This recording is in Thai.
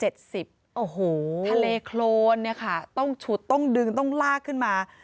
ทะเลโคลนต้องชุดต้องดึงต้องลากขึ้นมา